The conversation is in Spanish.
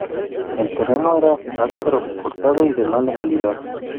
El terreno era áspero, cortado y de mala calidad.